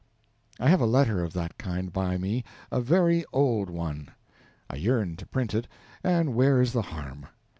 I have a letter of that kind by me, a very old one. I yearn to print it, and where is the harm?